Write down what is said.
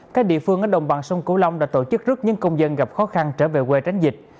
các địa phương ở đồng bằng sông cửu long đã tổ chức rút những công dân gặp khó khăn trở về quê tránh dịch